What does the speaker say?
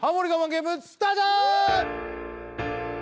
ゲームスタート